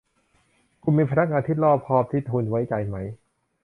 คุณมีพนักงานที่รอบคอบที่คุณไว้ใจไหม